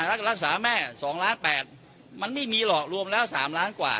รักษาแม่๒ล้าน๘มันไม่มีหรอกรวมแล้ว๓ล้านกว่า